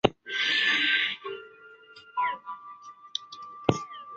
泥栖寄居蟹为寄居蟹科寄居蟹属下的一个种。